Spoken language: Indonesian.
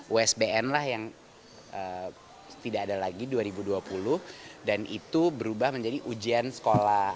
usbn lah yang tidak ada lagi dua ribu dua puluh dan itu berubah menjadi ujian sekolah